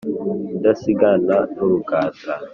idasigana n’urugata,